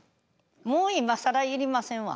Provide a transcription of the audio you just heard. もう今更いりませんわ。